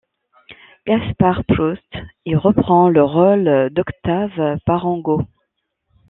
Gaspard Proust y reprend le rôle d'Octave Parango.